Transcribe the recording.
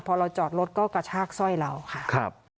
พอเราจอดรถก็กระชากสร้อยเราค่ะ